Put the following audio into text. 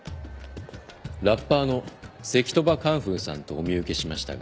ラッパーの赤兎馬カンフーさんとお見受けしましたが。